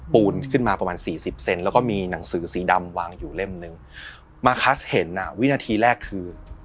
ปูนขึ้นมาประมาณสี่สิบเซนแล้วก็มีหนังสือสีดำวางอยู่เล่มหนึ่งมาคัสเห็นอ่ะวินาทีแรกคือ